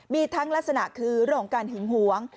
มีทั้งลักษณะคือหลงกันหิงหวง